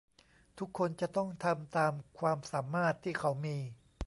ทุกคนจะต้องทำตามความสามารถที่เขามี